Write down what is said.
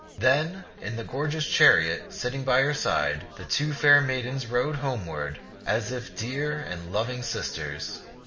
Then in the gorgeous chariot, sitting side by side, the two fair maidens rode homeward as if dear and loving sisters.